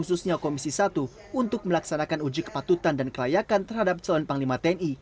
khususnya komisi satu untuk melaksanakan uji kepatutan dan kelayakan terhadap calon panglima tni